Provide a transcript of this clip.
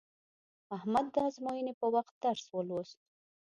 احمد د ازموینې په وخت درس ولوست.